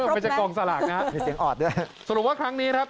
ไปจากกล่องสลากนะครับเป็นเสียงออดด้วยสรุปว่าครั้งนี้ครับ